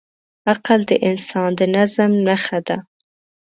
عقل د انسان د نظم نښه ده.